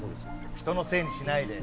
人のせいにしないでよ。